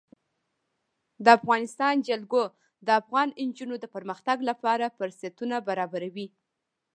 د افغانستان جلکو د افغان نجونو د پرمختګ لپاره فرصتونه برابروي.